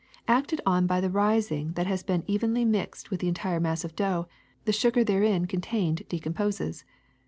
Acted upon by the rising that has been evenly mixed with the entire mass of dough, the sugar therein contained decomposes.